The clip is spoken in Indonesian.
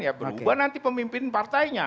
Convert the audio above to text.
ya berubah nanti pemimpin partainya